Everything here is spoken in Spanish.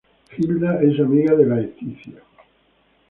Hilda es amiga de Leticia.